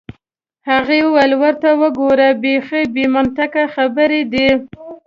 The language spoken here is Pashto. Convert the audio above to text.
هغې وویل: ورته وګوره، بیخي بې منطقه خبرې دي.